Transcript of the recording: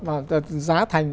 và giá thành